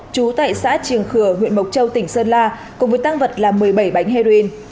chú tại xã triềng khừa huyện mộc châu tỉnh sơn la cùng với tăng vật là một mươi bảy bánh heroin